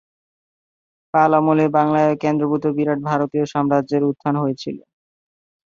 পাল আমলেই বাংলায় কেন্দ্রীভূত বিরাট ভারতীয় সাম্রাজ্যের উত্থান হয়েছিল।